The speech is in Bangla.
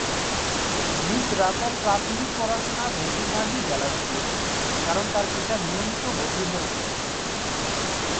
মিঃ রাতের প্রাথমিক পড়াশোনা বেশিরভাগই জেলা স্কুলে ছিল, কারণ তার পিতা নিয়মিত বদলি হয়েছিলেন।